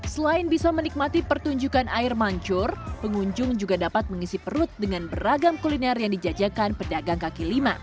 selain bisa menikmati pertunjukan air mancur pengunjung juga dapat mengisi perut dengan beragam kuliner yang dijajakan pedagang kaki lima